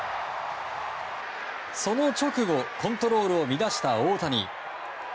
その直後コントロールを乱した大谷。